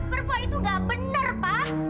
perempuan itu nggak benar pa